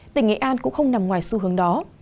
tỉnh nghệ an cũng không nằm ngoài xu hướng đó